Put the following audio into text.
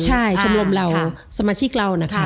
ใช่ชมรมเราสมาชิกเรานะคะ